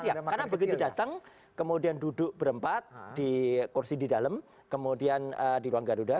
tidak ada makan siang karena begitu datang kemudian duduk berempat di kursi di dalam kemudian di ruang garuda